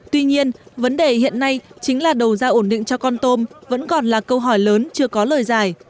tuy nhiên vấn đề hiện nay chính là đầu ra ổn định cho con tôm vẫn còn là câu hỏi lớn chưa có lời giải